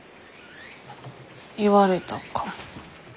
言われたかも。